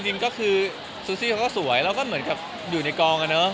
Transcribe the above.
สังเบคเป็นยังไง